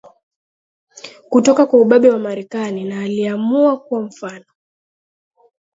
Kutoka kwa ubabe wa Marekani na Aliamua kuwa mfano